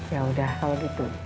ya udah kalau gitu